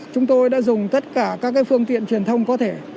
chúng tôi đã dùng tất cả các phương tiện truyền thông có thể